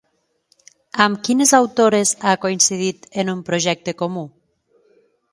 Amb quines autores ha coincidit en un projecte comú?